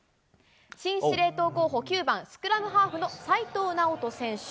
新司令塔候補、９番、スクラムハーフの齋藤直人選手。